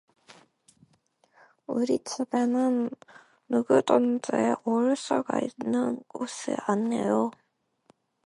우리 집에는 누구든지 올 수가 있는 것이 아녜요.